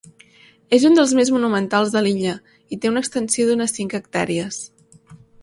És un dels més monumentals de l'illa i té una extensió d’unes cinc hectàrees.